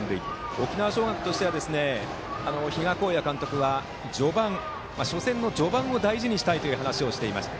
沖縄尚学の比嘉公也監督は初戦の序盤を大事にしたいと話していました。